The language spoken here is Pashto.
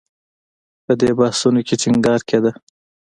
په دې بحثونو کې ټینګار کېده